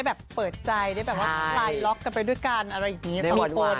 แบบว่าไลน์ล็อคกันไปด้วยกันอะไรอย่างนี้